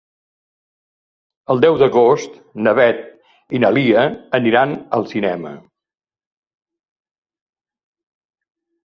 El deu d'agost na Beth i na Lia aniran al cinema.